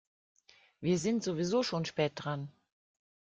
Wir sind sowieso schon spät dran.